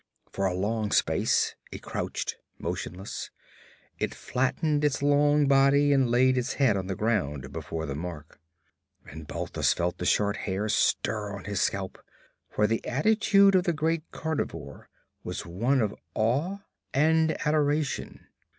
For a long space it crouched motionless; it flattened its long body and laid its head on the ground before the mark. And Balthus felt the short hairs stir on his scalp. For the attitude of the great carnivore was one of awe and adoration.